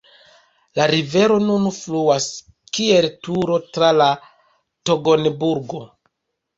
La rivero nun fluas kiel Turo tra la Togenburgo.